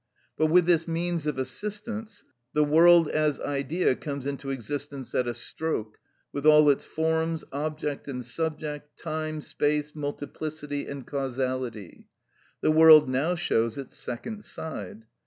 (36) But with this means of assistance, this μηχανη, the world as idea comes into existence at a stroke, with all its forms, object and subject, time, space, multiplicity, and causality. The world now shows its second side.